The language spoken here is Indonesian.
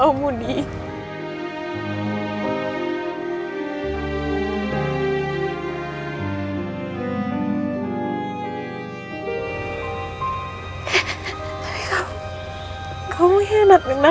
kamu tuh tahu ber roots voila